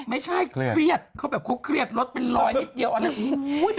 ไม่ใช่เครียดเค้าแบบเครียดรถเป็นรอยนิดเดียวอะไรโอ้โฮ